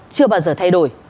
chưa bao giờ thay đổi